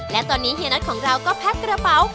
และตอนนี้เฮียน็อตของเราก็แพ็กกระเป๋า